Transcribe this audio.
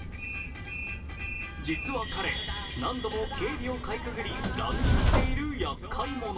実は彼、何度も警備をかいくぐり乱入しているやっかい者。